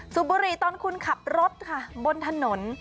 สูบบุหรี่ตอนคุณขับรถบนถนน